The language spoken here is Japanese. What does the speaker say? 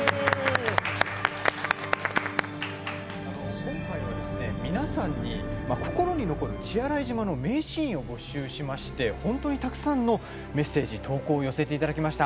今回は皆さんに心に残る血洗島の名シーンを募集しまして本当にたくさんのメッセージ、投稿を寄せていただきました。